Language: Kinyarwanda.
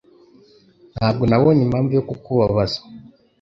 Ntabwo nabonye impamvu yo kukubabaza